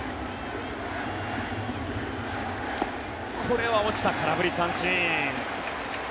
これは落ちた空振り三振。